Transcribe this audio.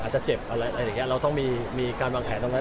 จะเจ็บอะไรอย่างนี้เราต้องมีการวางแผนตรงนั้น